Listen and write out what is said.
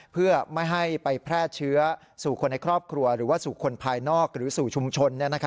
เพื่อไม่ให้ไปแพร่เชื้อสู่คนในครอบครัวหรือว่าสู่คนภายนอกหรือสู่ชุมชน